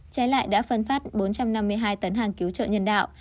trái lại đã phân phát bốn trăm năm mươi hai tấn hàng cứu trợ nhân đạo